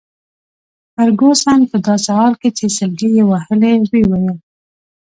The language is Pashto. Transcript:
فرګوسن په داسي حال کي چي سلګۍ يې وهلې وویل.